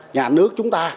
nhà nước chúng ta